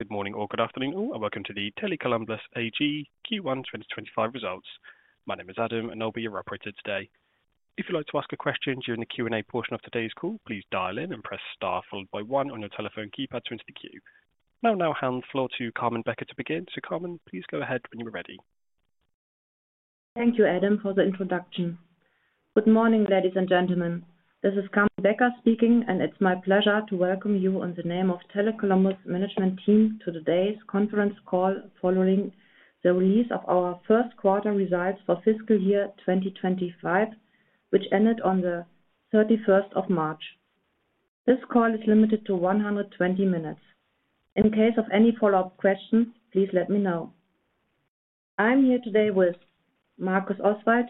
Good morning or good afternoon, all, and welcome to the Tele Columbus AG Q1 2025 Results. My name is Adam, and I'll be your operator today. If you'd like to ask a question during the Q&A portion of today's call, please dial in and press star followed by one on your telephone keypad to enter the queue. I'll now hand the floor to Carmen Becker to begin. Carmen, please go ahead when you're ready. Thank you, Adam, for the introduction. Good morning, ladies and gentlemen. This is Carmen Becker speaking, and it's my pleasure to welcome you on the name of the Tele Columbus Management Team to today's conference call following the release of our first quarter results for fiscal year 2025, which ended on the 31st of March. This call is limited to 120 minutes. In case of any follow-up questions, please let me know. I'm here today with Markus Oswald,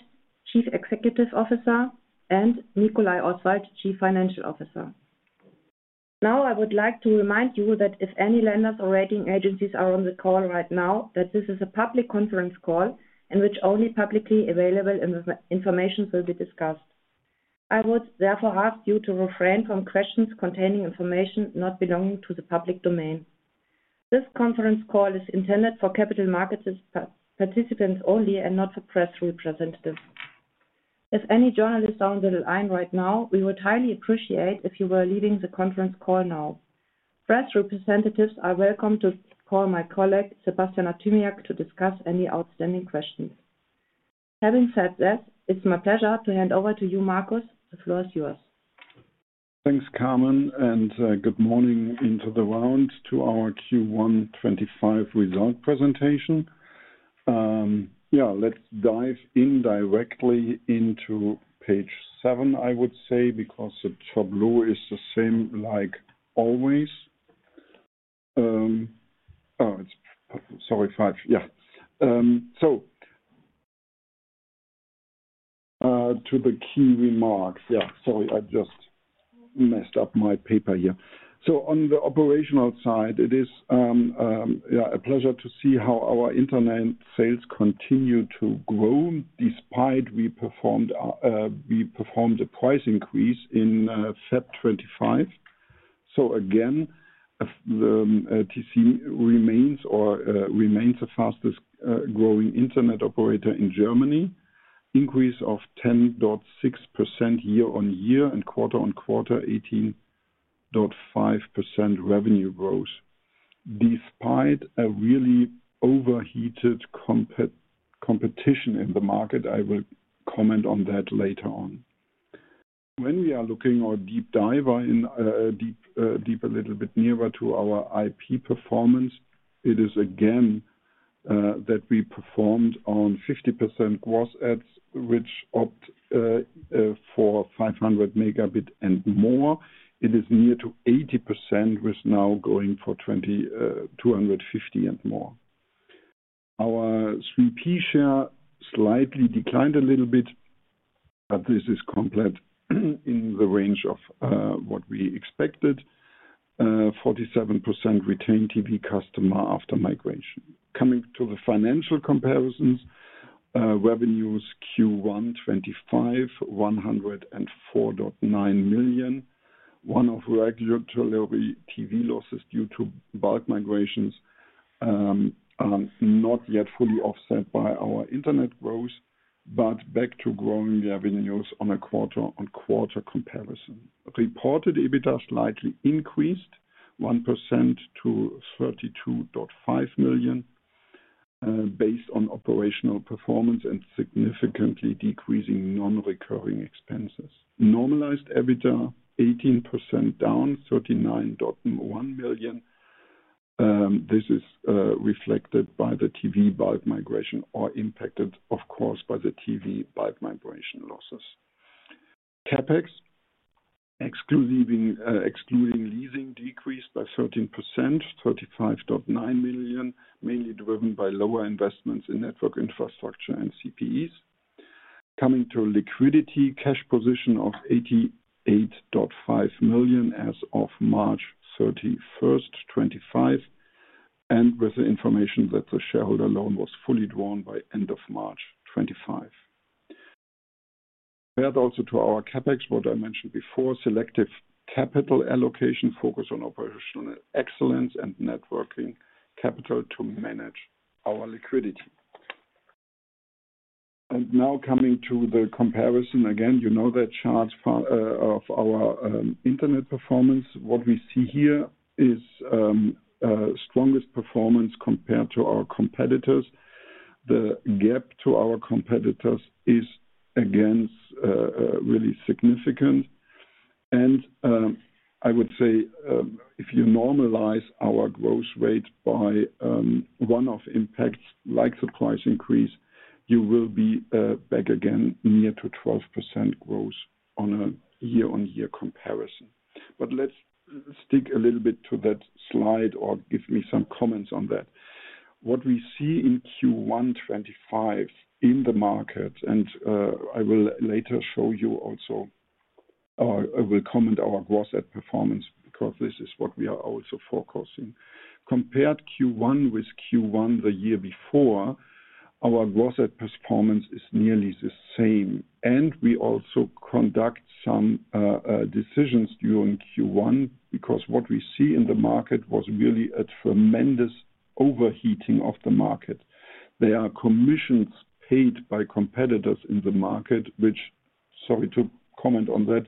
Chief Executive Officer, and Nicolai Oswald, Chief Financial Officer. Now, I would like to remind you that if any lenders or rating agencies are on the call right now, that this is a public conference call in which only publicly available information will be discussed. I would therefore ask you to refrain from questions containing information not belonging to the public domain. This conference call is intended for capital markets participants only and not for press representatives. If any journalists are on the line right now, we would highly appreciate it if you were leaving the conference call now. Press representatives are welcome to call my colleague, Sebastian Artymiak, to discuss any outstanding questions. Having said that, it's my pleasure to hand over to you, Markus. The floor is yours. Thanks, Carmen, and good morning into the round to our Q1 2025 result presentation. Yeah, let's dive in directly into page seven, I would say, because the tableau is the same like always. Oh, sorry, five. Yeah. To the key remarks. Yeah, sorry, I just messed up my paper here. On the operational side, it is a pleasure to see how our internet sales continue to grow despite we performed a price increase in February 2025. Again, TC remains the fastest growing internet operator in Germany, increase of 10.6% year on year and quarter on quarter, 18.5% revenue growth despite a really overheated competition in the market. I will comment on that later on. When we are looking at our deep diver in deep a little bit nearer to our IP performance, it is again that we performed on 50% gross ads, which opt for 500 Mb and more. It is near to 80% with now going for 250 Mb and more. Our sweet pea share slightly declined a little bit, but this is complete in the range of what we expected. 47% retained TV customer after migration. Coming to the financial comparisons, revenues Q1 2025, 104.9 million. One of regulatory TV losses due to bulk migrations are not yet fully offset by our internet growth, but back to growing revenues on a quarter-on-quarter comparison. Reported EBITDA slightly increased, 1% to 32.5 million based on operational performance and significantly decreasing non-recurring expenses. Normalized EBITDA, 18% down, 39.1 million. This is reflected by the TV bulk migration or impacted, of course, by the TV bulk migration losses. CapEx, excluding leasing, decreased by 13%, 35.9 million, mainly driven by lower investments in network infrastructure and CPEs. Coming to liquidity, cash position of 88.5 million as of March 31, 2025, and with the information that the shareholder loan was fully drawn by end of March 2025. That also to our CapEx, what I mentioned before, selective capital allocation focused on operational excellence and networking capital to manage our liquidity. Now coming to the comparison again, you know that chart of our internet performance. What we see here is strongest performance compared to our competitors. The gap to our competitors is again really significant. I would say if you normalize our growth rate by one-off impacts like the price increase, you will be back again near to 12% growth on a year-on-year comparison. Let's stick a little bit to that slide or give me some comments on that. What we see in Q1 2025 in the market, and I will later show you also, I will comment our gross ad performance because this is what we are also forecasting. Compared Q1 with Q1 the year before, our gross ad performance is nearly the same. We also conduct some decisions during Q1 because what we see in the market was really a tremendous overheating of the market. There are commissions paid by competitors in the market, which, sorry to comment on that,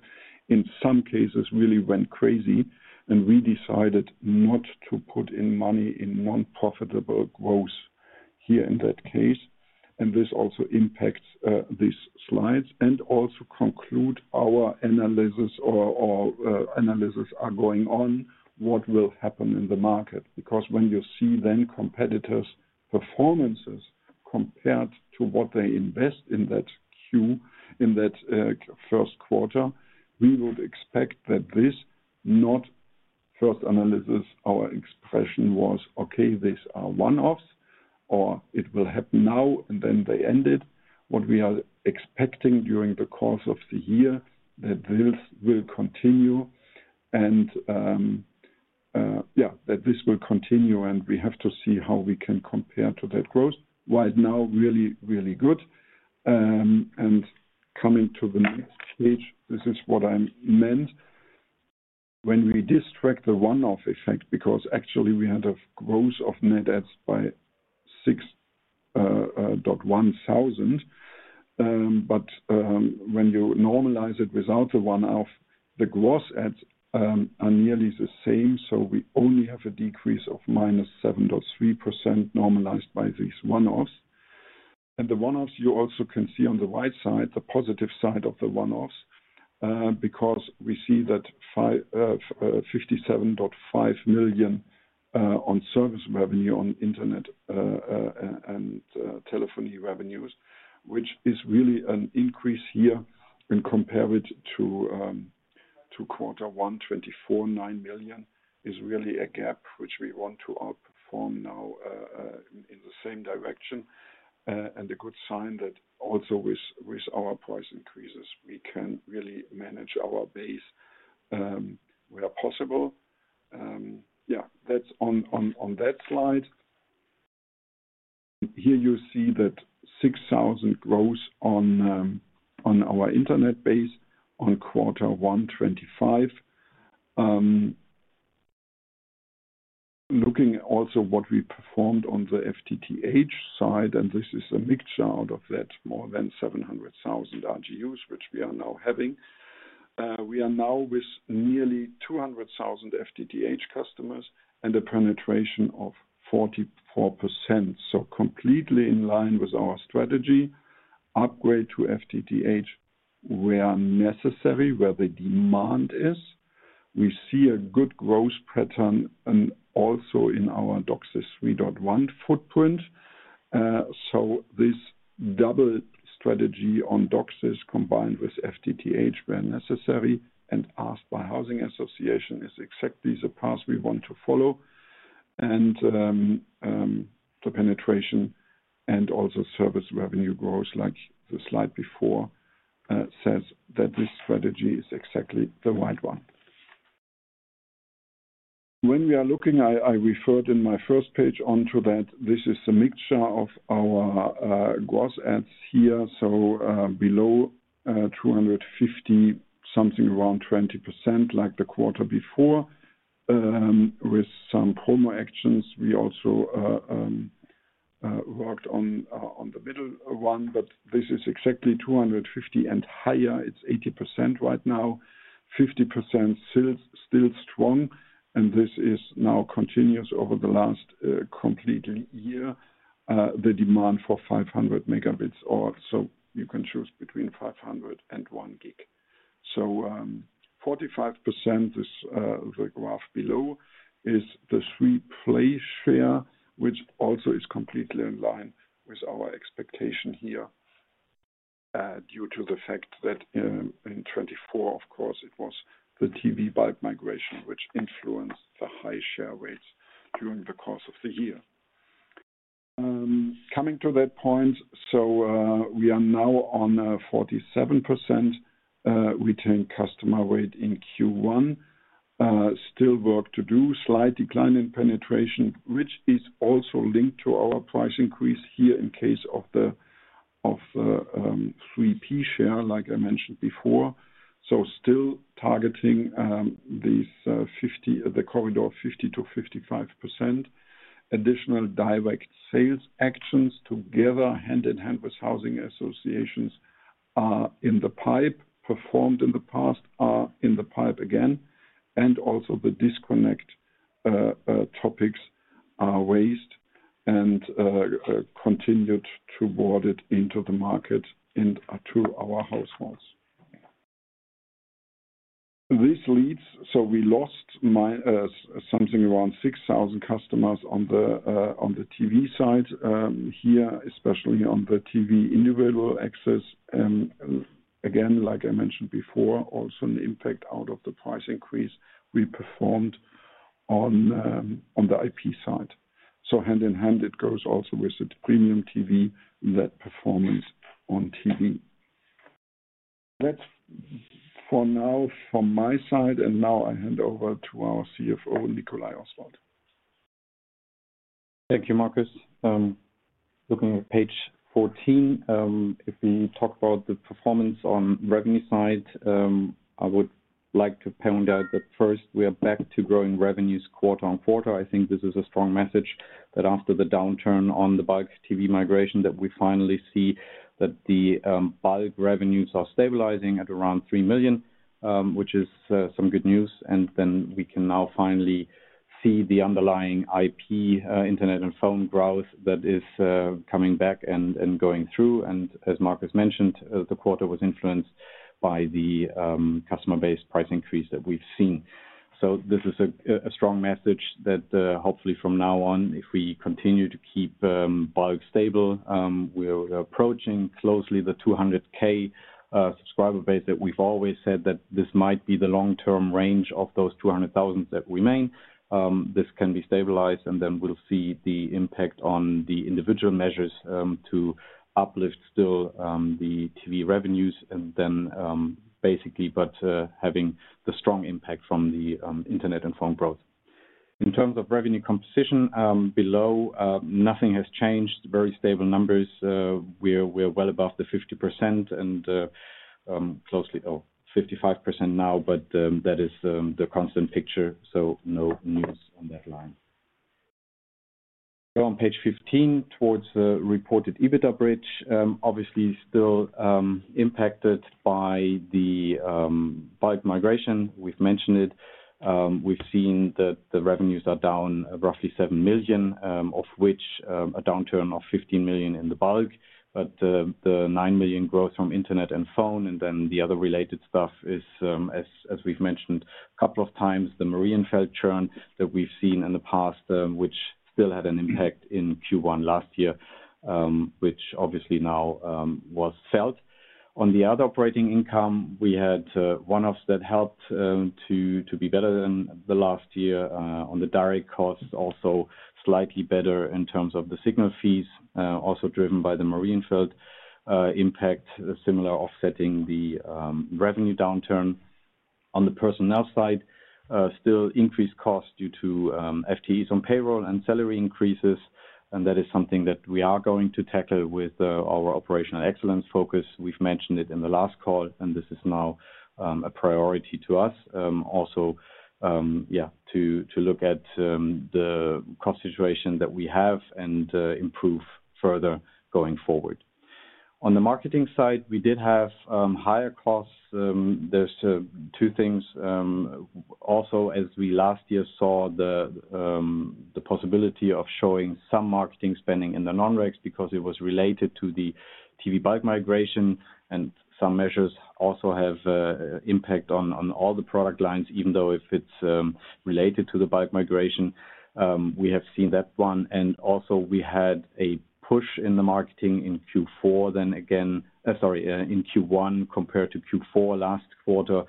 in some cases really went crazy, and we decided not to put in money in non-profitable growth here in that case. This also impacts these slides and also conclude our analysis or analyses are going on, what will happen in the market? Because when you see competitors' performances compared to what they invest in that Q, in that first quarter, we would expect that this, not first analysis, our expression was, okay, these are one-offs or it will happen now and then they ended. What we are expecting during the course of the year is that this will continue, and yeah, that this will continue, and we have to see how we can compare to that growth. Right now, really, really good. Coming to the next page, this is what I meant. When we distract the one-off effect because actually we had a growth of net adds by 6,100, but when you normalize it without the one-off, the gross adds are nearly the same. We only have a decrease of -7.3% normalized by these one-offs. The one-offs, you also can see on the right side, the positive side of the one-offs because we see that 57.5 million on service revenue on internet and telephony revenues, which is really an increase here when compared to quarter one 2024, 9 million is really a gap, which we want to outperform now in the same direction. A good sign that also with our price increases, we can really manage our base where possible. Yeah, that's on that slide. Here you see that 6,000 growth on our internet base on quarter one 2025. Looking also what we performed on the FTTH side, and this is a mixture out of that more than 700,000 RGUs, which we are now having. We are now with nearly 200,000 FTTH customers and a penetration of 44%. Completely in line with our strategy, upgrade to FTTH where necessary, where the demand is. We see a good growth pattern also in our DOCSIS 3.1 footprint. This double strategy on DOCSIS combined with FTTH where necessary and asked by housing association is exactly the path we want to follow. The penetration and also service revenue growth, like the slide before says, this strategy is exactly the right one. When we are looking, I referred in my first page onto that this is the mixture of our gross adds here. Below 250, something around 20% like the quarter before with some promo actions. We also worked on the middle one, but this is exactly 250 and higher. It's 80% right now, 50% still strong, and this is now continuous over the last completely year. The demand for 500 Mb or so you can choose between 500 Mb and! Gb. So 45% is the graph below is the sweet play share, which also is completely in line with our expectation here due to the fact that in 2024, of course, it was the TV bulk migration, which influenced the high share rates during the course of the year. Coming to that point, we are now on 47% retained customer rate in Q1. Still work to do, slight decline in penetration, which is also linked to our price increase here in case of the sweet play share, like I mentioned before. Still targeting the corridor 50%-55%. Additional direct sales actions together hand in hand with housing associations are in the pipe, performed in the past, are in the pipe again, and also the disconnect topics are raised and continued to broad it into the market and to our households. This leads, so we lost something around 6,000 customers on the TV side here, especially on the TV individual access. Again, like I mentioned before, also an impact out of the price increase we performed on the IP side. Hand in hand, it goes also with the premium TV, that performance on TV. That's for now from my side, and now I hand over to our CFO, Nicolai Oswald. Thank you, Markus. Looking at page 14, if we talk about the performance on revenue side, I would like to point out that first we are back to growing revenues quarter on quarter. I think this is a strong message that after the downturn on the bulk TV migration, we finally see that the bulk revenues are stabilizing at around 3 million, which is some good news. We can now finally see the underlying IP internet and phone growth that is coming back and going through. As Markus mentioned, the quarter was influenced by the customer-based price increase that we've seen. This is a strong message that hopefully from now on, if we continue to keep bulk stable, we're approaching closely the 200,000 subscriber base that we've always said that this might be the long-term range of those 200,000 that remain. This can be stabilized, and then we'll see the impact on the individual measures to uplift still the TV revenues and then basically, by having the strong impact from the internet and phone growth. In terms of revenue composition below, nothing has changed, very stable numbers. We're well above the 50% and close to 55% now, but that is the constant picture. No news on that line. Go on page 15 towards reported EBITDA bridge, obviously still impacted by the bulk migration. We've mentioned it. We've seen that the revenues are down roughly 7 million, of which a downturn of 15 million in the bulk, but the 9 million growth from internet and phone and then the other related stuff is, as we've mentioned a couple of times, the Marienfeld churn that we've seen in the past, which still had an impact in Q1 last year, which obviously now was felt. On the other operating income, we had one-offs that helped to be better than the last year on the direct costs, also slightly better in terms of the signal fees, also driven by the Marienfeld impact, similar offsetting the revenue downturn. On the personnel side, still increased costs due to FTEs on payroll and salary increases, and that is something that we are going to tackle with our operational excellence focus. We've mentioned it in the last call, and this is now a priority to us. Also, yeah, to look at the cost situation that we have and improve further going forward. On the marketing side, we did have higher costs. There are two things. Also, as we last year saw the possibility of showing some marketing spending in the non-rex because it was related to the TV bulk migration, and some measures also have impact on all the product lines, even though if it's related to the bulk migration, we have seen that one. Also, we had a push in the marketing in Q4, then again, sorry, in Q1 compared to Q4 last quarter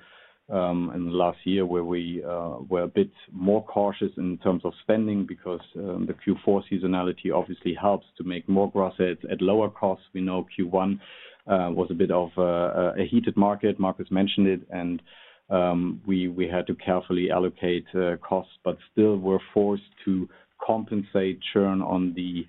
and last year where we were a bit more cautious in terms of spending because the Q4 seasonality obviously helps to make more gross adds at lower costs. We know Q1 was a bit of a heated market. Markus mentioned it, and we had to carefully allocate costs, but still were forced to compensate churn on the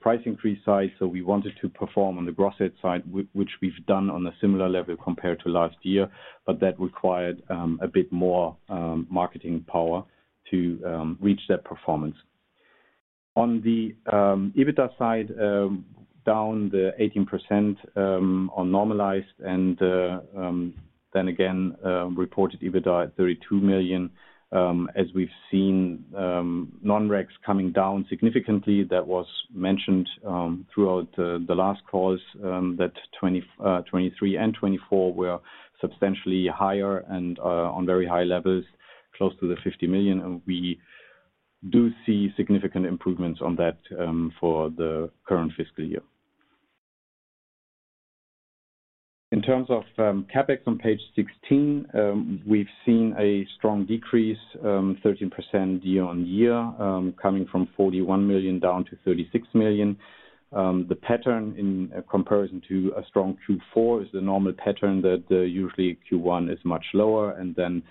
price increase side. We wanted to perform on the gross ad side, which we've done on a similar level compared to last year, but that required a bit more marketing power to reach that performance. On the EBITDA side, down the 18% on normalized and then again reported EBITDA at 32 million. As we've seen non-rex coming down significantly, that was mentioned throughout the last calls that 2023 and 2024 were substantially higher and on very high levels, close to the 50 million. We do see significant improvements on that for the current fiscal year. In terms of CapEx on page 16, we've seen a strong decrease, 13% year-on-year, coming from 41 million down to 36 million. The pattern in comparison to a strong Q4 is the normal pattern that usually Q1 is much lower, and then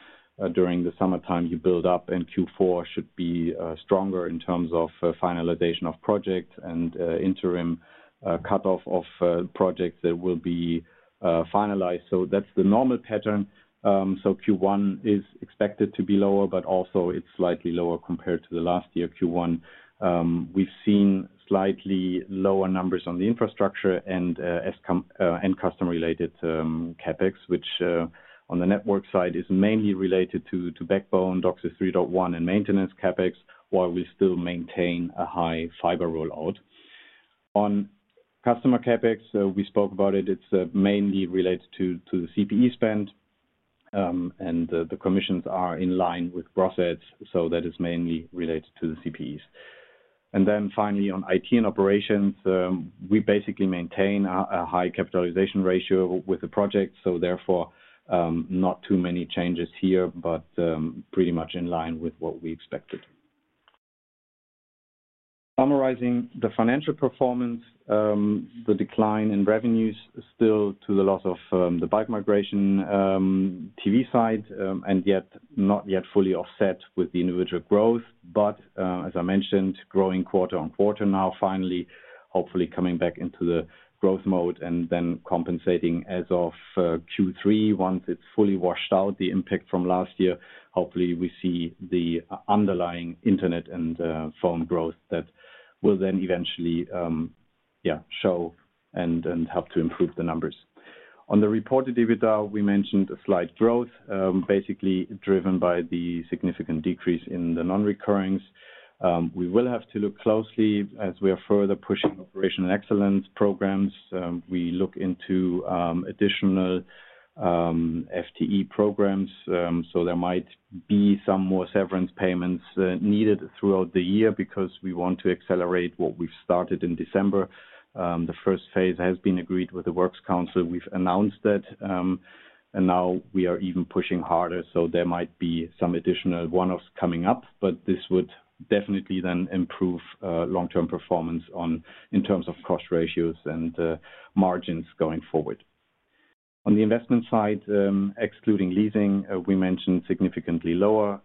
during the summertime you build up, and Q4 should be stronger in terms of finalization of projects and interim cutoff of projects that will be finalized. That is the normal pattern. Q1 is expected to be lower, but also it is slightly lower compared to last year, Q1. We have seen slightly lower numbers on the infrastructure and customer-related CapEx, which on the network side is mainly related to backbone, DOCSIS 3.1 and maintenance CapEx, while we still maintain a high fiber rollout. On customer CapEx, we spoke about it. It is mainly related to the CPE spend, and the commissions are in line with gross adds, so that is mainly related to the CPEs. Finally, on IT and operations, we basically maintain a high capitalization ratio with the project, so therefore not too many changes here, but pretty much in line with what we expected. Summarizing the financial performance, the decline in revenues is still due to the loss of the bulk migration TV side, and yet not yet fully offset with the individual growth, but as I mentioned, growing quarter on quarter now finally, hopefully coming back into the growth mode and then compensating as of Q3. Once it is fully washed out, the impact from last year, hopefully we see the underlying internet and phone growth that will then eventually, yeah, show and help to improve the numbers. On the reported EBITDA, we mentioned a slight growth, basically driven by the significant decrease in the non-recurrings. We will have to look closely as we are further pushing operational excellence programs. We look into additional FTE programs, so there might be some more severance payments needed throughout the year because we want to accelerate what we've started in December. The first phase has been agreed with the Works Council. We've announced that, and now we are even pushing harder. There might be some additional one-offs coming up, but this would definitely then improve long-term performance in terms of cost ratios and margins going forward. On the investment side, excluding leasing, we mentioned significantly lower.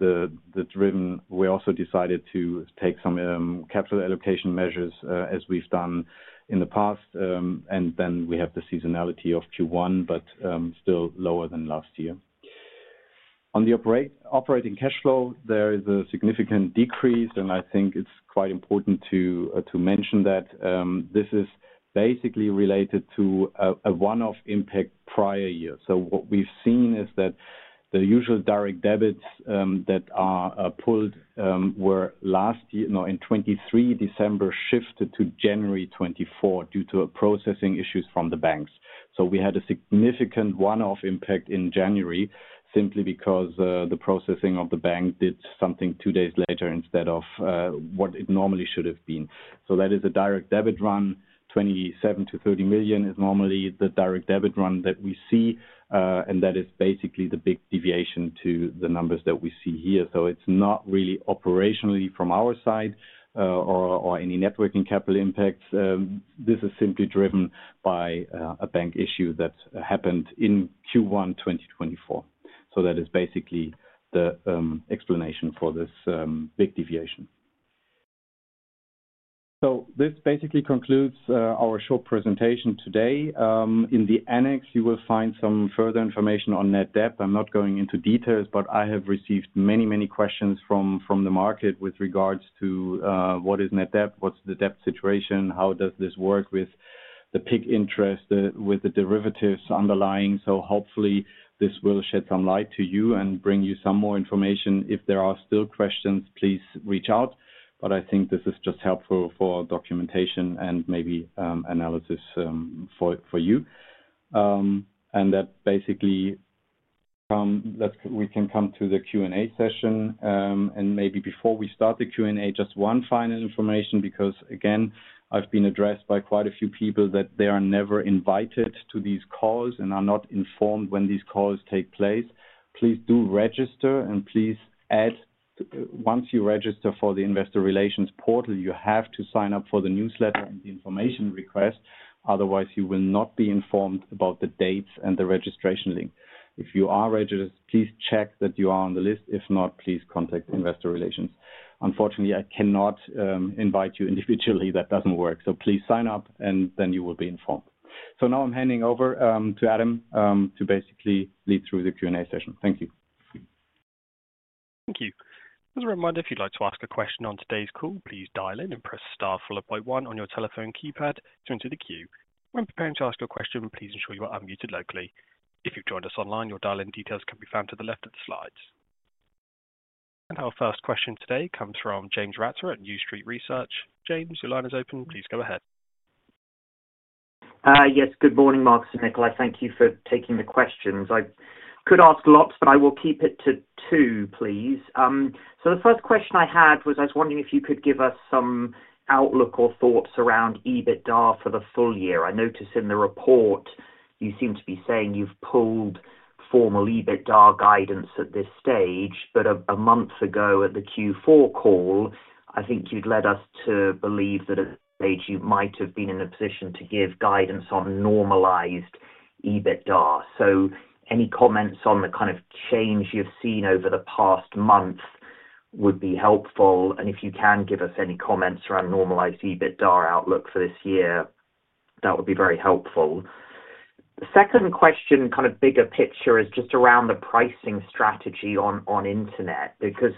We also decided to take some capital allocation measures as we've done in the past, and then we have the seasonality of Q1, but still lower than last year. On the operating cash flow, there is a significant decrease, and I think it's quite important to mention that this is basically related to a one-off impact prior year. What we have seen is that the usual direct debits that are pulled were last year, no, in 2023, December shifted to January 2024 due to processing issues from the banks. We had a significant one-off impact in January simply because the processing of the bank did something two days later instead of what it normally should have been. That is a direct debit run, 27 million-30 million is normally the direct debit run that we see, and that is basically the big deviation to the numbers that we see here. It is not really operationally from our side or any networking capital impacts. This is simply driven by a bank issue that happened in Q1 2024. That is basically the explanation for this big deviation. This basically concludes our short presentation today. In the annex, you will find some further information on net debt. I'm not going into details, but I have received many, many questions from the market with regards to what is net debt, what's the debt situation, how does this work with the PIK interest, with the derivatives underlying. Hopefully this will shed some light to you and bring you some more information. If there are still questions, please reach out, but I think this is just helpful for documentation and maybe analysis for you. That basically means we can come to the Q&A session. Maybe before we start the Q&A, just one final information because again, I've been addressed by quite a few people that they are never invited to these calls and are not informed when these calls take place. Please do register and please add, once you register for the investor relations portal, you have to sign up for the newsletter and the information request. Otherwise, you will not be informed about the dates and the registration link. If you are registered, please check that you are on the list. If not, please contact investor relations. Unfortunately, I cannot invite you individually. That does not work. Please sign up and then you will be informed. I am handing over to Adam to basically lead through the Q&A session. Thank you. Thank you. As a reminder, if you'd like to ask a question on today's call, please dial in and press star followed by one on your telephone keypad to enter the queue. When preparing to ask your question, please ensure you are unmuted locally. If you've joined us online, your dial-in details can be found to the left of the slides. Our first question today comes from James Ratzer at New Street Research. James, your line is open. Please go ahead. Yes, good morning, Markus and Nicolai. Thank you for taking the questions. I could ask lots, but I will keep it to two, please. The first question I had was I was wondering if you could give us some outlook or thoughts around EBITDA for the full year. I notice in the report you seem to be saying you have pulled formal EBITDA guidance at this stage, but a month ago at the Q4 call, I think you had led us to believe that at this stage you might have been in a position to give guidance on normalized EBITDA. Any comments on the kind of change you have seen over the past month would be helpful. If you can give us any comments around normalized EBITDA outlook for this year, that would be very helpful. The second question, kind of bigger picture, is just around the pricing strategy on internet. Because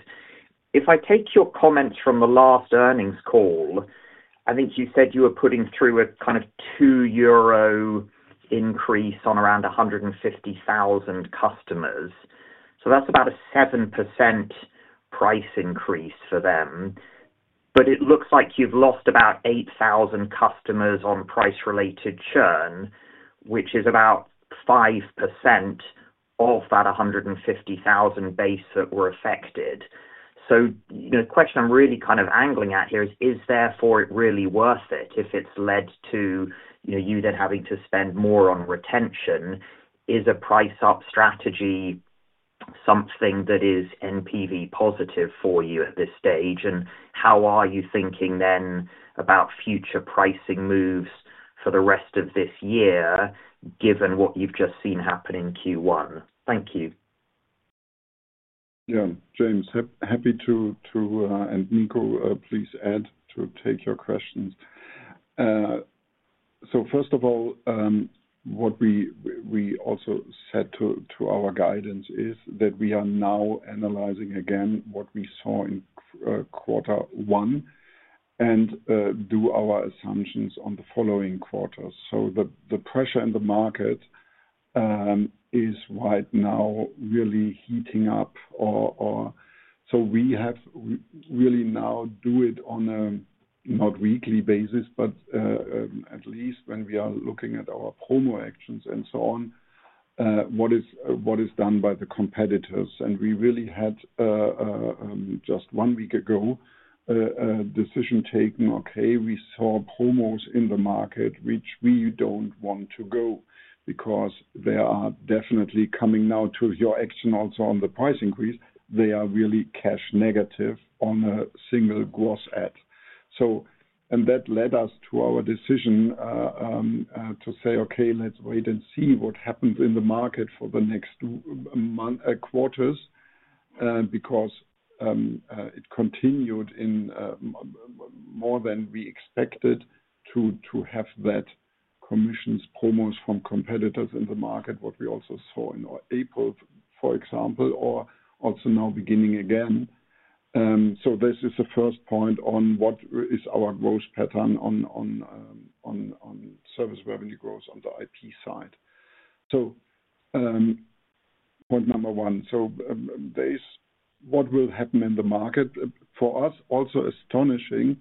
if I take your comments from the last earnings call, I think you said you were putting through a kind of 2 euro increase on around 150,000 customers. So that's about a 7% price increase for them. But it looks like you've lost about 8,000 customers on price-related churn, which is about 5% of that 150,000 base that were affected. The question I'm really kind of angling at here is, is therefore it really worth it if it's led to you then having to spend more on retention? Is a price-up strategy something that is NPV positive for you at this stage? How are you thinking then about future pricing moves for the rest of this year, given what you've just seen happen in Q1? Thank you. Yeah, James, happy to, and Nicolai, please add to take your questions. First of all, what we also said to our guidance is that we are now analyzing again what we saw in quarter one and do our assumptions on the following quarters. The pressure in the market is right now really heating up. We have really now do it on a not weekly basis, but at least when we are looking at our promo actions and so on, what is done by the competitors. We really had just one week ago a decision taken, okay, we saw promos in the market, which we do not want to go because they are definitely coming now to your action also on the price increase. They are really cash negative on a single gross ad. That led us to our decision to say, okay, let's wait and see what happens in the market for the next quarters because it continued in more than we expected to have that commissions, promos from competitors in the market, what we also saw in April, for example, or also now beginning again. This is the first point on what is our growth pattern on service revenue growth on the IP side. Point number one, what will happen in the market for us? Also astonishing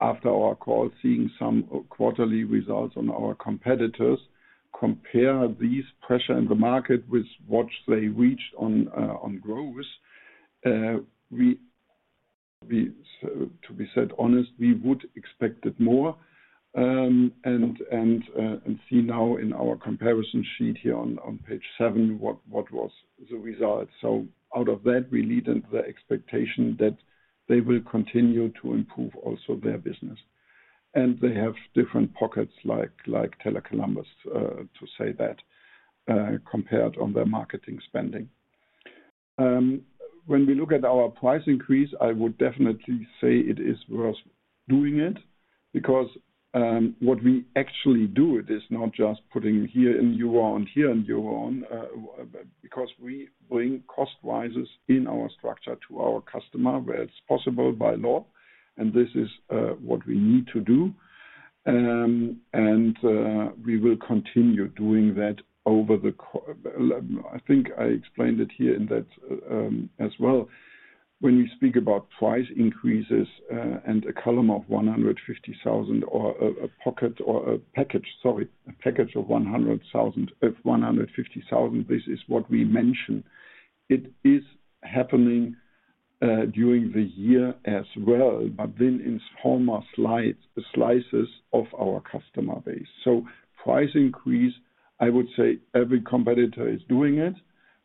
after our call, seeing some quarterly results on our competitors, compare this pressure in the market with what they reached on growth. To be said honest, we would expect it more and see now in our comparison sheet here on page seven what was the result. Out of that, we lead into the expectation that they will continue to improve also their business. They have different pockets like Tele Columbus to say that compared on their marketing spending. When we look at our price increase, I would definitely say it is worth doing it because what we actually do, it is not just putting here in euro and here in euro because we bring cost rises in our structure to our customer where it's possible by law, and this is what we need to do. We will continue doing that over the, I think I explained it here in that as well. When we speak about price increases and a column of 150,000 or a pocket or a package, sorry, a package of 150,000, this is what we mention. It is happening during the year as well, but then in smaller slices of our customer base. Price increase, I would say every competitor is doing it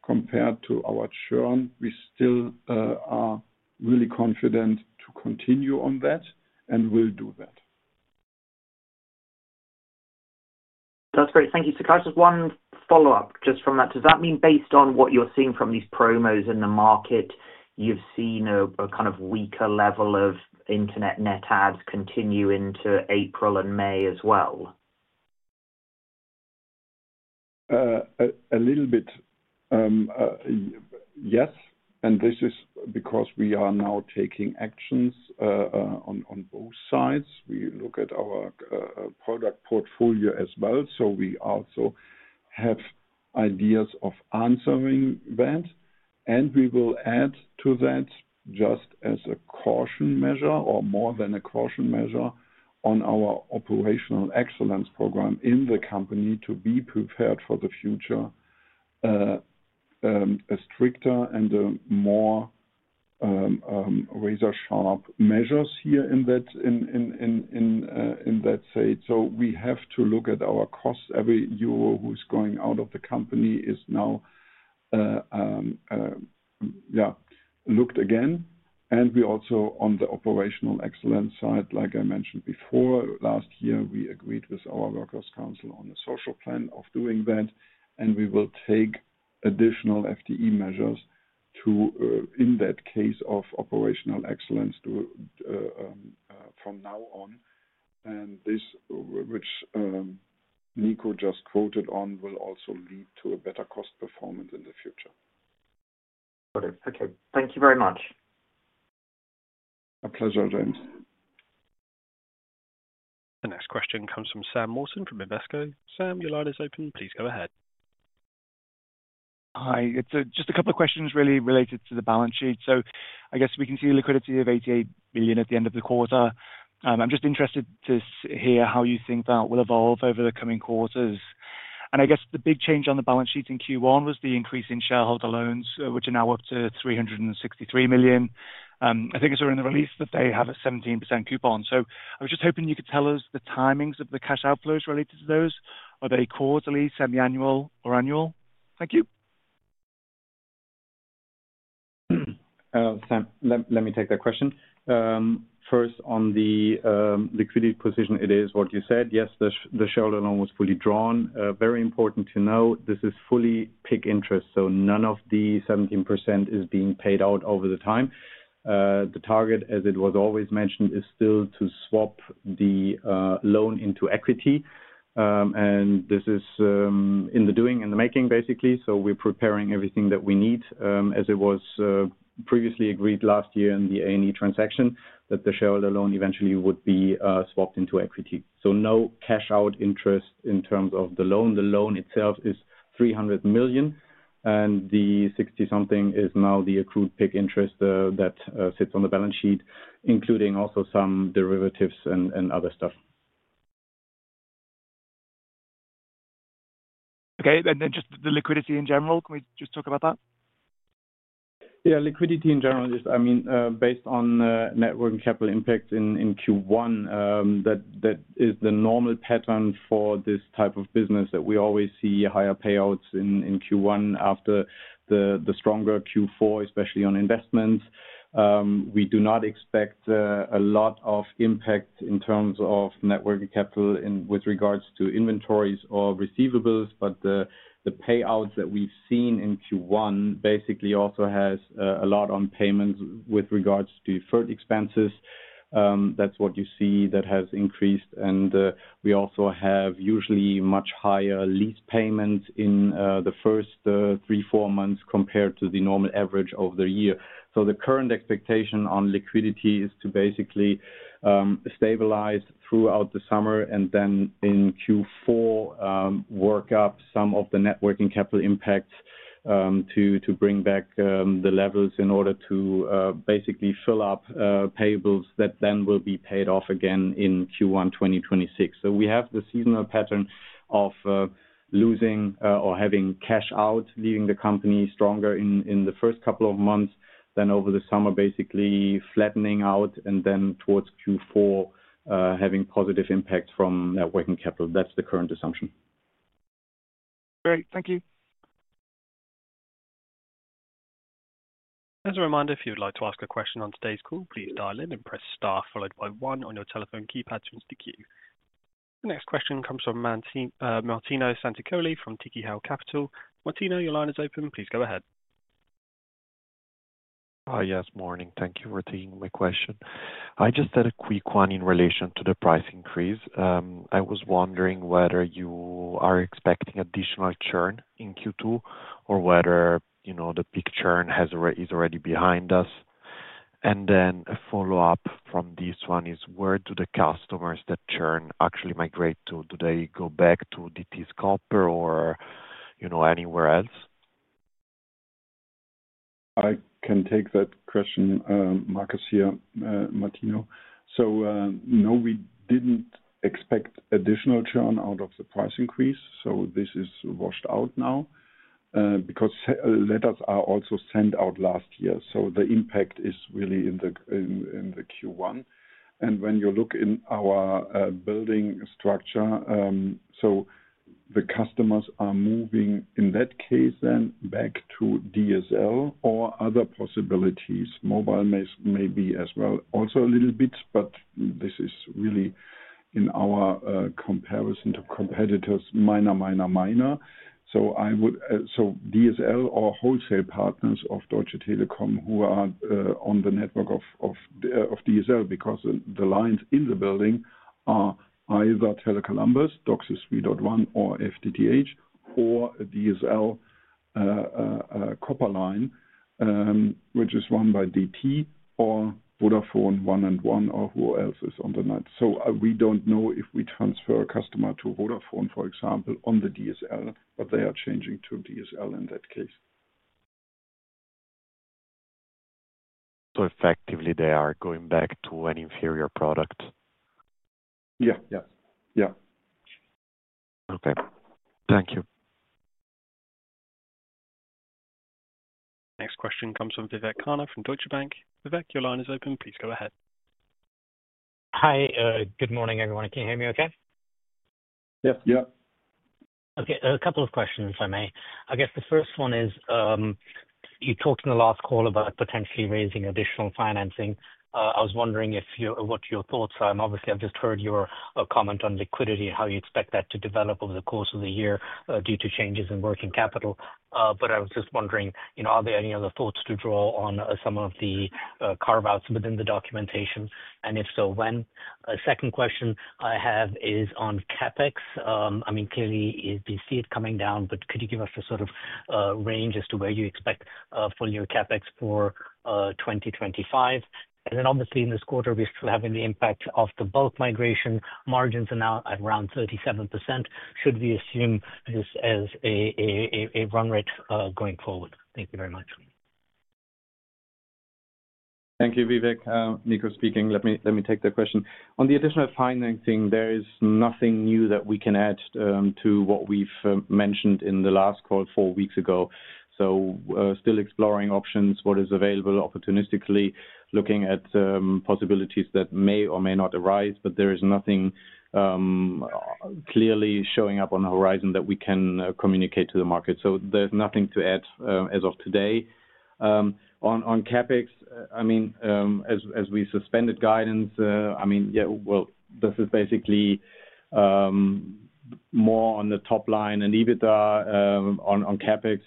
compared to our churn. We still are really confident to continue on that and will do that. That's great. Thank you. Just one follow-up just from that. Does that mean based on what you're seeing from these promos in the market, you've seen a kind of weaker level of internet net adds continue into April and May as well? A little bit, yes. This is because we are now taking actions on both sides. We look at our product portfolio as well. We also have ideas of answering that. We will add to that just as a caution measure or more than a caution measure on our operational excellence program in the company to be prepared for the future, a stricter and more razor-sharp measures here in that state. We have to look at our costs. Every euro going out of the company is now, yeah, looked again. We also on the operational excellence side, like I mentioned before, last year we agreed with our Workers Council on the social plan of doing that. We will take additional FTE measures in that case of operational excellence from now on. This, which Nicolai just quoted on, will also lead to a better cost performance in the future. Got it. Okay. Thank you very much. My pleasure, James. The next question comes from Sam Walton from Invesco. Sam, your line is open. Please go ahead. Hi. It's just a couple of questions really related to the balance sheet. I guess we can see liquidity of 88 million at the end of the quarter. I'm just interested to hear how you think that will evolve over the coming quarters. I guess the big change on the balance sheet in Q1 was the increase in shareholder loans, which are now up to 363 million. I think it's during the release that they have a 17% coupon. I was just hoping you could tell us the timings of the cash outflows related to those. Are they quarterly, semi-annual, or annual? Thank you. Sam, let me take that question. First, on the liquidity position, it is what you said. Yes, the shareholder loan was fully drawn. Very important to know, this is fully PIK interest. None of the 17% is being paid out over the time. The target, as it was always mentioned, is still to swap the loan into equity. This is in the doing and the making, basically. We are preparing everything that we need as it was previously agreed last year in the A&E transaction that the shareholder loan eventually would be swapped into equity. No cash-out interest in terms of the loan. The loan itself is 300 million, and the 60-something is now the accrued PIK interest that sits on the balance sheet, including also some derivatives and other stuff. Okay. And then just the liquidity in general, can we just talk about that? Yeah. Liquidity in general, I mean, based on networking capital impact in Q1, that is the normal pattern for this type of business that we always see higher payouts in Q1 after the stronger Q4, especially on investments. We do not expect a lot of impact in terms of networking capital with regards to inventories or receivables, but the payouts that we've seen in Q1 basically also has a lot on payments with regards to deferred expenses. That is what you see that has increased. We also have usually much higher lease payments in the first three, four months compared to the normal average over the year. The current expectation on liquidity is to basically stabilize throughout the summer and then in Q4 work up some of the networking capital impacts to bring back the levels in order to basically fill up payables that then will be paid off again in Q1 2026. We have the seasonal pattern of losing or having cash out, leaving the company stronger in the first couple of months, then over the summer, basically flattening out, and then towards Q4 having positive impact from networking capital. That's the current assumption. Great. Thank you. As a reminder, if you'd like to ask a question on today's call, please dial in and press star followed by one on your telephone keypad to enter the queue. The next question comes from Martino Santicoli from Tikehau Capital. Martino, your line is open. Please go ahead. Hi. Yes, morning. Thank you for taking my question. I just had a quick one in relation to the price increase. I was wondering whether you are expecting additional churn in Q2 or whether the big churn is already behind us. A follow-up from this one is, where do the customers that churn actually migrate to? Do they go back to Deutsche Telekom's copper or anywhere else? I can take that question, Markus here, Martino. No, we did not expect additional churn out of the price increase. This is washed out now because letters were also sent out last year. The impact is really in the Q1. When you look in our building structure, the customers are moving in that case then back to DSL or other possibilities. Mobile maybe as well also a little bit, but this is really in our comparison to competitors, minor, minor, minor. DSL or wholesale partners of Deutsche Telekom who are on the network of DSL because the lines in the building are either Tele Columbus, DOCSIS 3.1 or FTTH, or DSL copper line, which is run by Deutsche Telekom or Vodafone, 1&1, or who else is on the net. We do not know if we transfer a customer to Vodafone, for example, on the DSL, but they are changing to DSL in that case. Effectively, they are going back to an inferior product. Yeah. Yes. Yeah. Okay. Thank you. The next question comes from Vivek Khanna from Deutsche Telekom. Vivek, your line is open. Please go ahead. Hi. Good morning, everyone. Can you hear me okay? Yes. Yeah. Okay. A couple of questions, if I may. I guess the first one is, you talked in the last call about potentially raising additional financing. I was wondering what your thoughts are. Obviously, I've just heard your comment on liquidity and how you expect that to develop over the course of the year due to changes in working capital. I was just wondering, are there any other thoughts to draw on some of the carve-outs within the documentation? If so, when? A second question I have is on CapEx. I mean, clearly, we see it coming down, but could you give us a sort of range as to where you expect full new CapEx for 2025? In this quarter, we're still having the impact of the bulk migration. Margins are now at around 37%. Should we assume this as a run rate going forward? Thank you very much. Thank you, Vivek. Nicolai speaking. Let me take the question. On the additional financing, there is nothing new that we can add to what we've mentioned in the last call four weeks ago. Still exploring options, what is available opportunistically, looking at possibilities that may or may not arise, but there is nothing clearly showing up on the horizon that we can communicate to the market. There is nothing to add as of today. On CapEx, I mean, as we suspended guidance, I mean, yeah, this is basically more on the top line. And EBITDA on CapEx,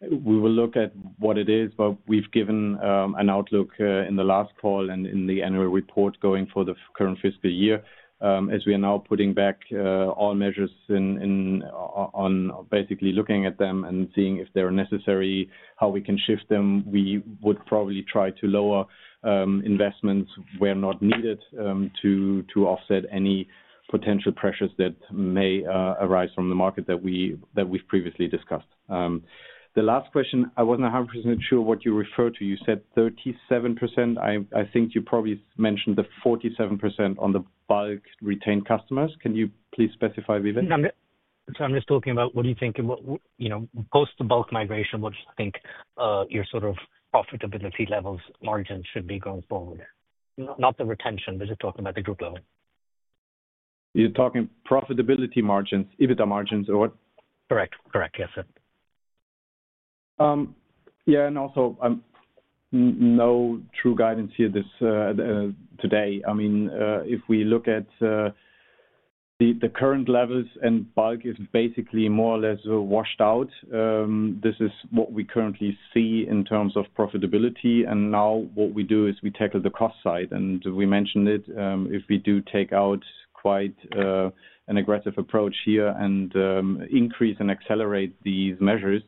we will look at what it is, but we've given an outlook in the last call and in the annual report going for the current fiscal year. As we are now putting back all measures on basically looking at them and seeing if they're necessary, how we can shift them, we would probably try to lower investments where not needed to offset any potential pressures that may arise from the market that we've previously discussed. The last question, I wasn't 100% sure what you referred to. You said 37%. I think you probably mentioned the 47% on the bulk retained customers. Can you please specify, Vivek? I'm just talking about what do you think post-bulk migration, what do you think your sort of profitability levels, margins should be going forward? Not the retention, but just talking about the group level. You're talking profitability margins, EBITDA margins, or what? Correct. Yes. Yeah. Also, no true guidance here today. I mean, if we look at the current levels and bulk is basically more or less washed out. This is what we currently see in terms of profitability. Now what we do is we tackle the cost side. We mentioned it. If we do take out quite an aggressive approach here and increase and accelerate these measures,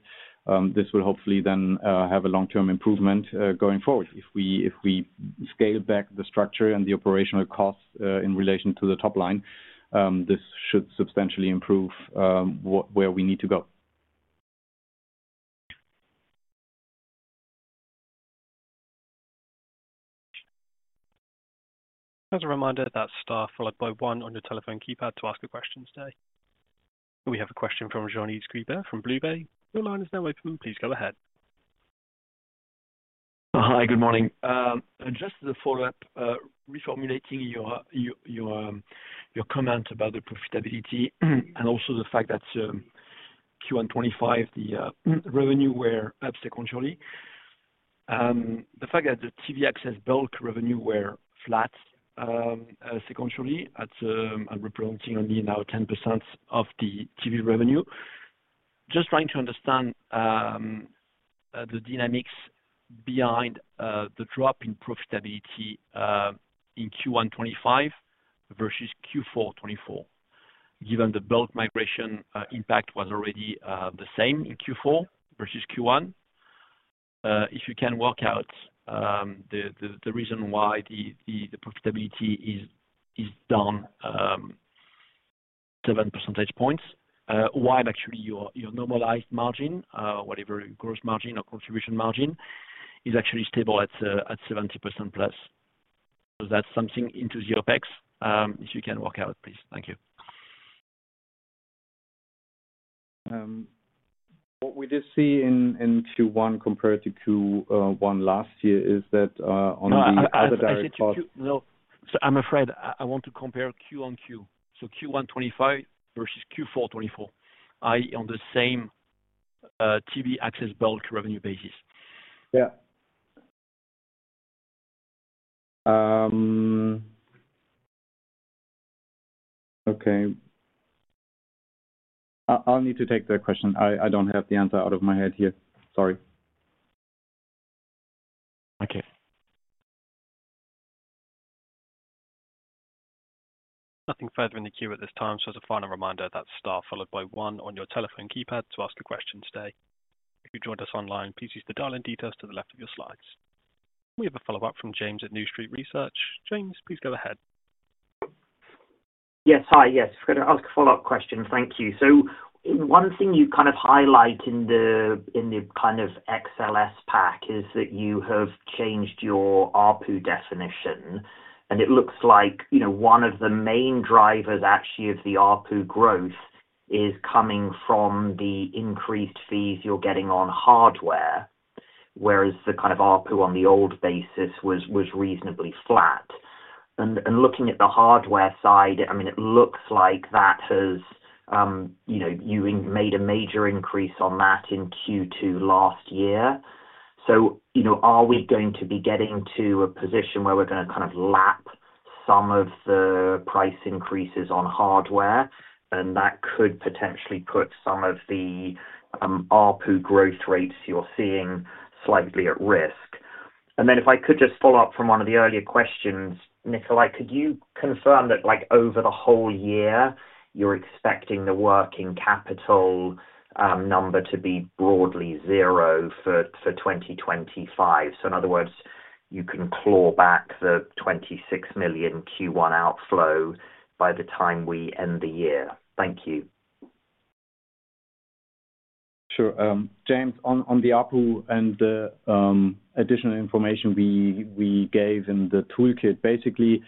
this will hopefully then have a long-term improvement going forward. If we scale back the structure and the operational costs in relation to the top line, this should substantially improve where we need to go. As a reminder, that's star followed by one on your telephone keypad to ask a question today. We have a question from Jean-Yves Guibert from BlueBay. Your line is now open. Please go ahead. Hi. Good morning. Just as a follow-up, reformulating your comment about the profitability and also the fact that Q1 2025, the revenue were up sequentially. The fact that the TV access bulk revenue were flat sequentially, and representing only now 10% of the TV revenue. Just trying to understand the dynamics behind the drop in profitability in Q1 2025 versus Q4 2024, given the bulk migration impact was already the same in Q4 versus Q1. If you can work out the reason why the profitability is down 7 percentage points, why actually your normalized margin, whatever gross margin or contribution margin, is actually stable at 70%+. That is something into the OpEx. If you can work out, please. Thank you. What we did see in Q1 compared to Q1 last year is that on the other direction. I'm sorry. No. I'm afraid. I want to compare Q1 Q. So Q1 2025 versus Q4 2024. Are you on the same TV access bulk revenue basis? Yeah. Okay. I'll need to take that question. I don't have the answer out of my head here. Sorry. Okay. Nothing further in the queue at this time. As a final reminder, that is star followed by one on your telephone keypad to ask a question today. If you have joined us online, please use the dial-in details to the left of your slides. We have a follow-up from James at New Street Research. James, please go ahead. Yes. Hi. Yes. I forgot to ask a follow-up question. Thank you. One thing you kind of highlight in the kind of XLS pack is that you have changed your ARPU definition. It looks like one of the main drivers actually of the ARPU growth is coming from the increased fees you're getting on hardware, whereas the kind of ARPU on the old basis was reasonably flat. Looking at the hardware side, I mean, it looks like you made a major increase on that in Q2 last year. Are we going to be getting to a position where we're going to kind of lap some of the price increases on hardware? That could potentially put some of the ARPU growth rates you're seeing slightly at risk. If I could just follow up from one of the earlier questions, Nicolai, could you confirm that over the whole year, you're expecting the working capital number to be broadly zero for 2025? In other words, you can claw back the 26 million Q1 outflow by the time we end the year. Thank you. Sure. James, on the ARPU and the additional information we gave in the toolkit, basically,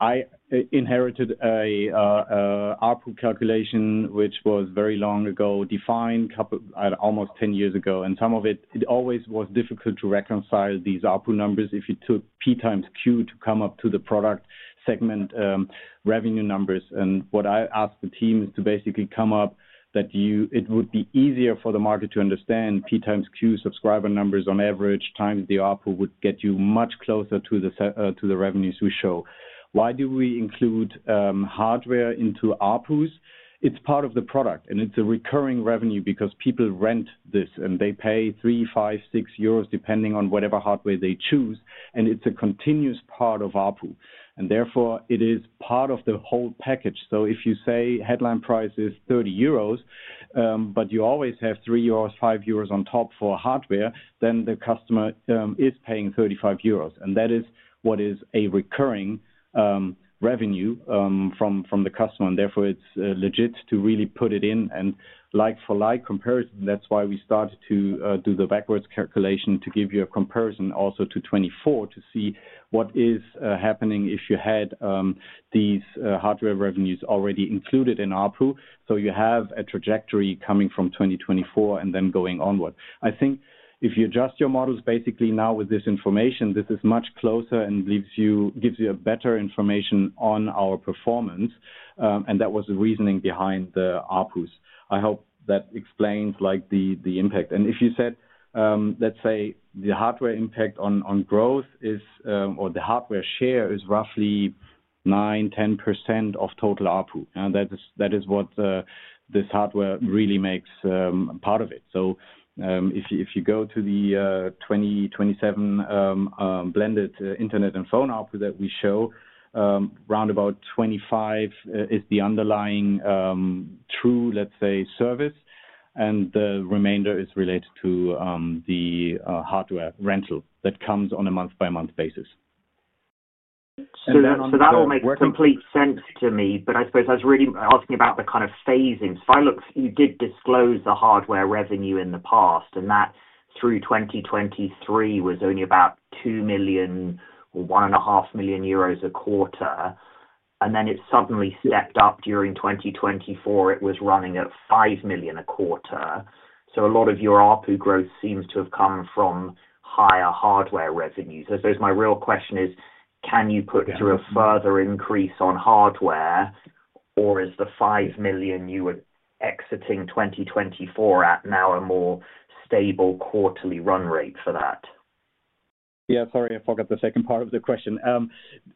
I inherited an ARPU calculation, which was very long ago defined almost 10 years ago. Some of it, it always was difficult to reconcile these ARPU numbers if you took P x Q to come up to the product segment revenue numbers. What I asked the team is to basically come up that it would be easier for the market to understand P x Q subscriber numbers on average x the ARPU would get you much closer to the revenues we show. Why do we include hardware into ARPUs? It is part of the product, and it is a recurring revenue because people rent this, and they pay 3, 5, 6 euros depending on whatever hardware they choose. It is a continuous part of ARPU. Therefore, it is part of the whole package. If you say headline price is 30 euros, but you always have 3 euros, 5 euros on top for hardware, then the customer is paying 35 euros. That is what is a recurring revenue from the customer. Therefore, it is legit to really put it in and like-for-like comparison. That is why we started to do the backwards calculation to give you a comparison also to 2024 to see what is happening if you had these hardware revenues already included in ARPU. You have a trajectory coming from 2024 and then going onward. I think if you adjust your models basically now with this information, this is much closer and gives you better information on our performance. That was the reasoning behind the ARPUs. I hope that explains the impact. If you said, let's say, the hardware impact on growth is or the hardware share is roughly 9%-10% of total ARPU. That is what this hardware really makes part of it. If you go to the 2027 blended internet and phone ARPU that we show, round about 25 is the underlying true, let's say, service. The remainder is related to the hardware rental that comes on a month-by-month basis. That all makes complete sense to me, but I suppose I was really asking about the kind of phasing. I look, you did disclose the hardware revenue in the past, and that through 2023 was only about 2 million or 1.5 million euros a quarter. Then it suddenly stepped up during 2024. It was running at 5 million a quarter. A lot of your ARPU growth seems to have come from higher hardware revenues. I suppose my real question is, can you put through a further increase on hardware, or is the 5 million you were exiting 2024 at now a more stable quarterly run rate for that? Yeah. Sorry, I forgot the second part of the question.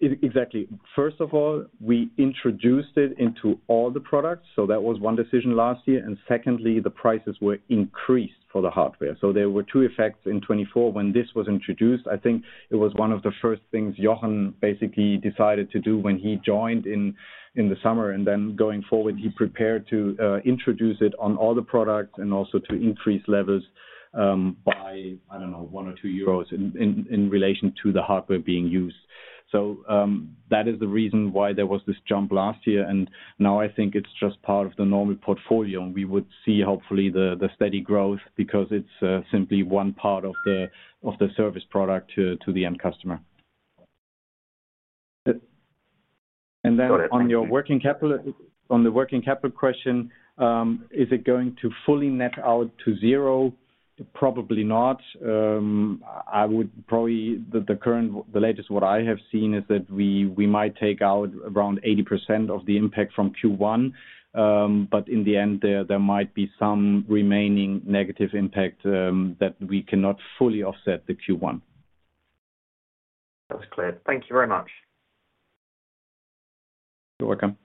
Exactly. First of all, we introduced it into all the products. That was one decision last year. Secondly, the prices were increased for the hardware. There were two effects in 2024. When this was introduced, I think it was one of the first things Johan basically decided to do when he joined in the summer. Going forward, he prepared to introduce it on all the products and also to increase levels by, I do not know, 1 or 2 euros in relation to the hardware being used. That is the reason why there was this jump last year. Now I think it is just part of the normal portfolio. We would see hopefully the steady growth because it is simply one part of the service product to the end customer. On the working capital question, is it going to fully net out to zero? Probably not. I would probably, the latest what I have seen is that we might take out around 80% of the impact from Q1. In the end, there might be some remaining negative impact that we cannot fully offset in Q1. That's clear. Thank you very much. You're welcome.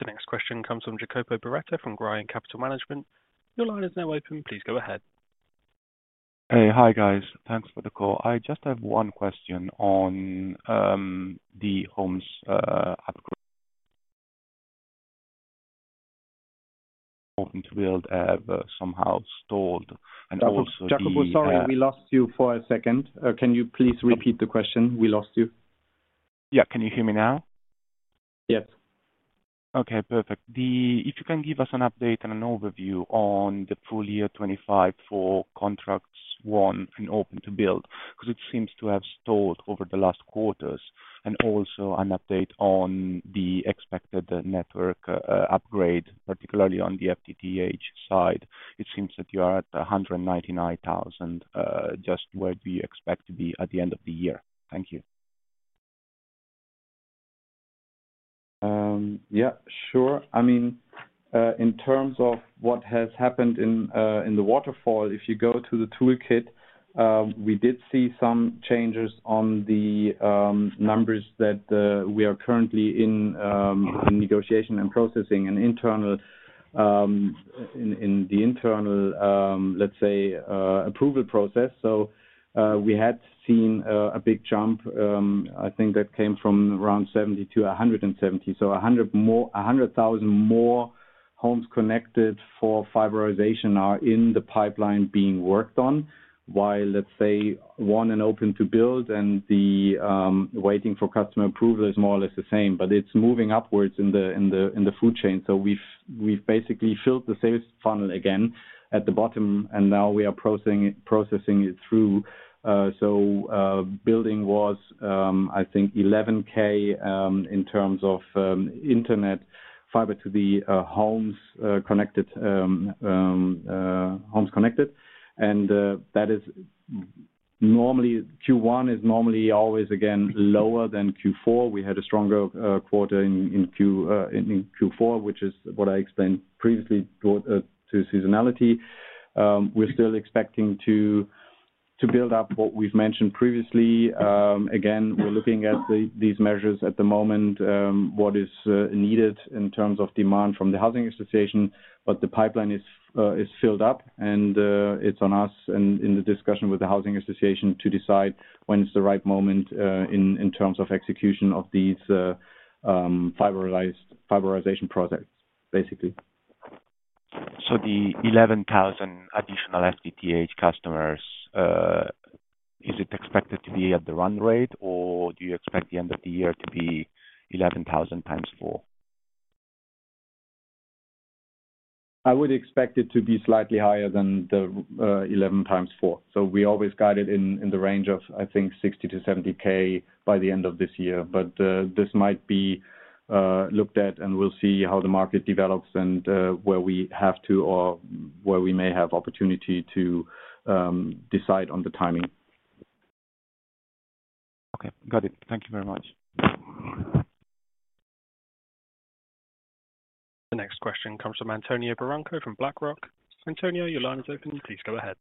The next question comes from Jacopo Beretta from Graian Capital Management. Your line is now open. Please go ahead. Hey, hi guys. Thanks for the call. I just have one question on the homes upgrade. Open to build have somehow stalled and also the. Jacopo, sorry, we lost you for a second. Can you please repeat the question? We lost you. Yeah. Can you hear me now? Yes. Okay. Perfect. If you can give us an update and an overview on the full year 2025 for contracts one and open to build because it seems to have stalled over the last quarters. Also, an update on the expected network upgrade, particularly on the FTTH side. It seems that you are at 199,000. Just where do you expect to be at the end of the year? Thank you. Yeah. Sure. I mean, in terms of what has happened in the waterfall, if you go to the toolkit, we did see some changes on the numbers that we are currently in negotiation and processing and in the internal, let's say, approval process. We had seen a big jump. I think that came from around 70 to 170. So 100,000 more homes connected for fiberization are in the pipeline being worked on, while, let's say, one and open to build and the waiting for customer approval is more or less the same. It is moving upwards in the food chain. We have basically filled the sales funnel again at the bottom, and now we are processing it through. Building was, I think, 11,000 in terms of internet fiber to the homes connected. That is normally Q1 is normally always, again, lower than Q4. We had a stronger quarter in Q4, which is what I explained previously to seasonality. We're still expecting to build up what we've mentioned previously. Again, we're looking at these measures at the moment, what is needed in terms of demand from the housing association, but the pipeline is filled up, and it's on us and in the discussion with the housing association to decide when it's the right moment in terms of execution of these fiberization projects, basically. The 11,000 additional FTTH customers, is it expected to be at the run rate, or do you expect the end of the year to be 11,000 times 4? I would expect it to be slightly higher than the 11 x 4. We always guide it in the range of, I think, 60,000-70,000 by the end of this year. This might be looked at, and we'll see how the market develops and where we have to or where we may have opportunity to decide on the timing. Okay. Got it. Thank you very much. The next question comes from Antonio Barranco from BlackRock. Antonio, your line is open. Please go ahead.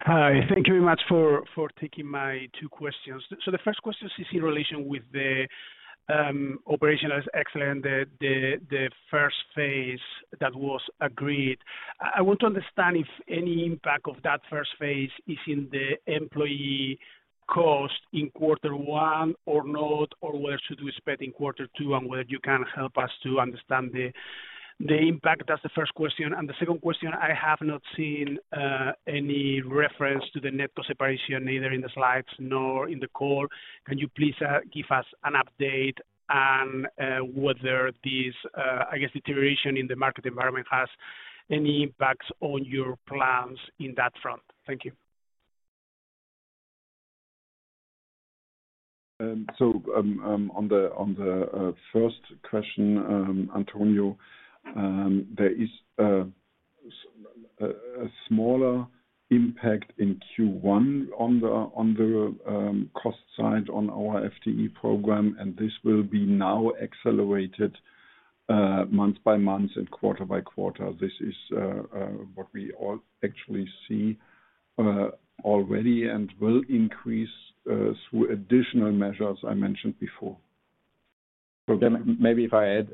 Hi. Thank you very much for taking my two questions. The first question is in relation with the operational excellence, the first phase that was agreed. I want to understand if any impact of that first phase is in the employee cost in quarter one or not, or whether to do spending quarter two and whether you can help us to understand the impact. That's the first question. The second question, I have not seen any reference to the net cost separation either in the slides nor in the call. Can you please give us an update on whether this, I guess, deterioration in the market environment has any impacts on your plans in that front? Thank you. On the first question, Antonio, there is a smaller impact in Q1 on the cost side on our FTE program, and this will be now accelerated month by month and quarter by quarter. This is what we all actually see already and will increase through additional measures I mentioned before. Maybe if I add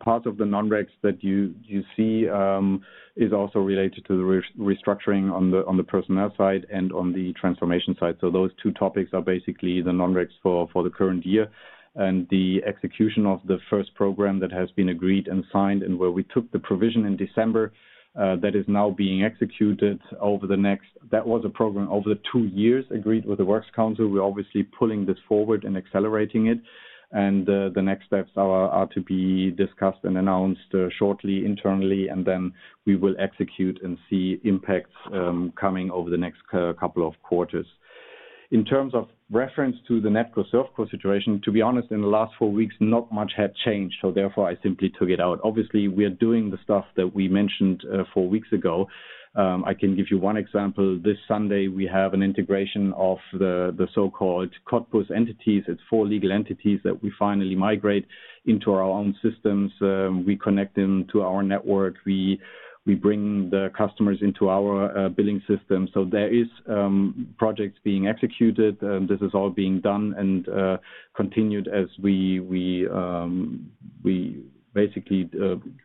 part of the non-RECs that you see is also related to the restructuring on the personnel side and on the transformation side. Those two topics are basically the non-RECs for the current year and the execution of the first program that has been agreed and signed and where we took the provision in December that is now being executed over the next, that was a program over the two years agreed with the Works Council. We are obviously pulling this forward and accelerating it. The next steps are to be discussed and announced shortly internally, and then we will execute and see impacts coming over the next couple of quarters. In terms of reference to the net cost surf course situation, to be honest, in the last four weeks, not much had changed. Therefore, I simply took it out. Obviously, we are doing the stuff that we mentioned four weeks ago. I can give you one example. This Sunday, we have an integration of the so-called Cottbus entities. It is four legal entities that we finally migrate into our own systems. We connect them to our network. We bring the customers into our billing system. There are projects being executed, and this is all being done and continued as we basically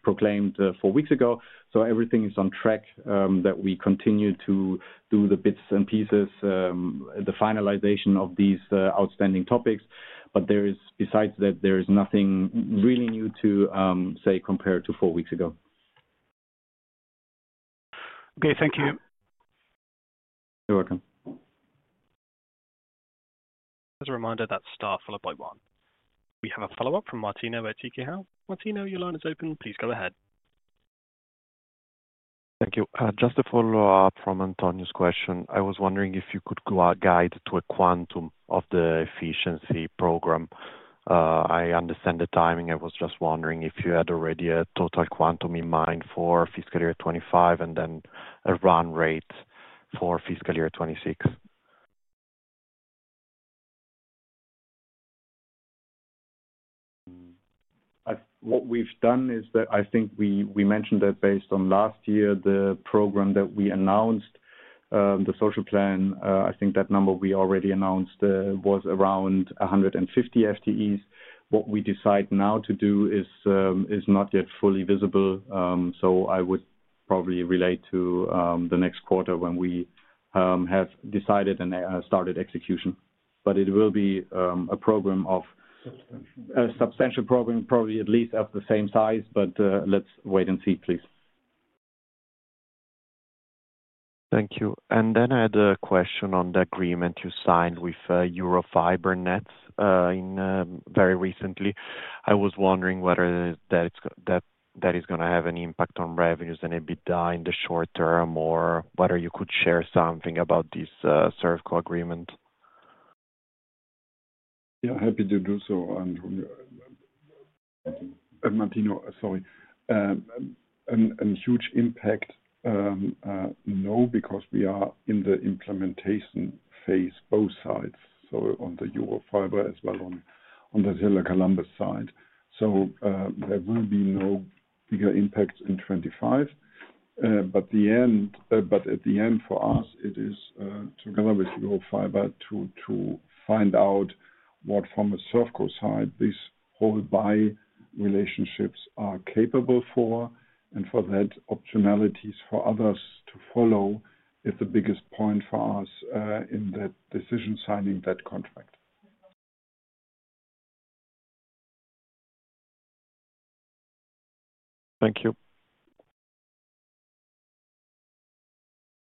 proclaimed four weeks ago. Everything is on track that we continue to do the bits and pieces, the finalization of these outstanding topics. Besides that, there is nothing really new to say compared to four weeks ago. Okay. Thank you. You're welcome. As a reminder, that's star followed by one. We have a follow-up from Martino at Tikehau Capital. Martino, your line is open. Please go ahead. Thank you. Just to follow up from Antonio's question, I was wondering if you could guide to a quantum of the efficiency program. I understand the timing. I was just wondering if you had already a total quantum in mind for fiscal year 2025 and then a run rate for fiscal year 2026. What we've done is that I think we mentioned that based on last year, the program that we announced, the social plan, I think that number we already announced was around 150 FTEs. What we decide now to do is not yet fully visible. I would probably relate to the next quarter when we have decided and started execution. It will be a program of a substantial program, probably at least of the same size, but let's wait and see, please. Thank you. I had a question on the agreement you signed with Eurofiber Netz very recently. I was wondering whether that is going to have any impact on revenues and EBITDA in the short term or whether you could share something about this SERFCO agreement. Yeah. Happy to do so. Martino, sorry. A huge impact, no, because we are in the implementation phase, both sides. On the Eurofiber as well on the Tele Columbus side. There will be no bigger impacts in 2025. At the end, for us, it is together with Euro Fiber to find out what from a SERFCO side, these whole buy relationships are capable for. For that, optionalities for others to follow is the biggest point for us in that decision signing that contract. Thank you.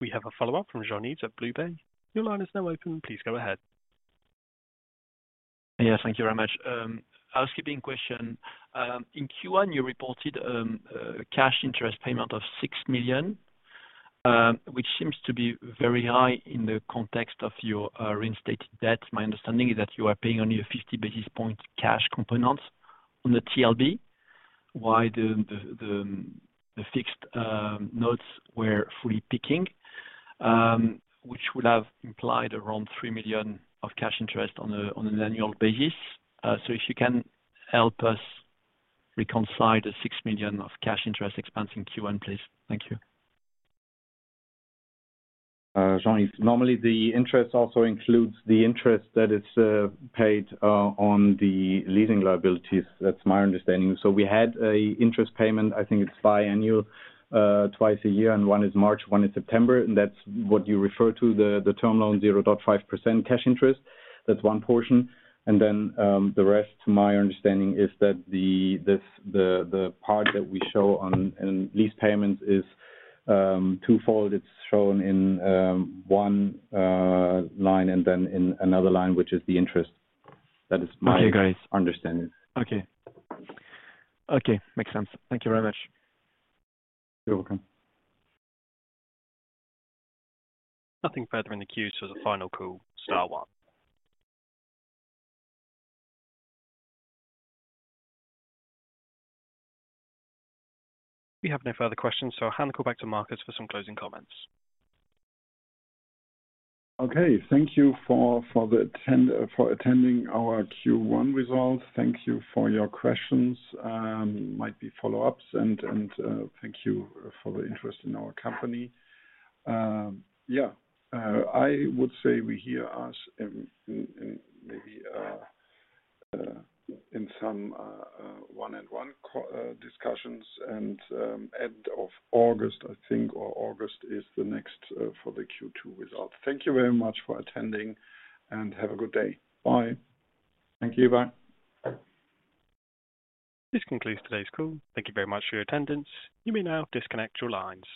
We have a follow-up from Jean-Yves at BlueBay. Your line is now open. Please go ahead. Yeah. Thank you very much. I'll skip in question. In Q1, you reported cash interest payment of 6 million, which seems to be very high in the context of your reinstated debt. My understanding is that you are paying only a 50 basis point cash component on the TLB, while the fixed notes were fully peaking, which would have implied around 3 million of cash interest on an annual basis. If you can help us reconcile the 6 million of cash interest expense in Q1, please. Thank you. Jean-Yves, normally the interest also includes the interest that is paid on the leasing liabilities. That's my understanding. We had an interest payment, I think it's biannual, twice a year, and one is March, one is September. That's what you refer to, the term loan 0.5% cash interest. That's one portion. The rest, my understanding is that the part that we show on lease payments is twofold. It's shown in one line and then in another line, which is the interest. That is my understanding. Okay. Okay. Makes sense. Thank you very much. You're welcome. Nothing further in the queue to the final call, star one. We have no further questions. So I'll hand the call back to Markus for some closing comments. Okay. Thank you for attending our Q1 results. Thank you for your questions. Might be follow-ups. Thank you for the interest in our company. Yeah. I would say we hear us maybe in some one-on-one discussions at the end of August, I think, or August is the next for the Q2 results. Thank you very much for attending and have a good day. Bye. Thank you. Bye. This concludes today's call. Thank you very much for your attendance. You may now disconnect your lines.